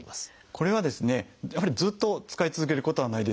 これはですねやはりずっと使い続けることはないです。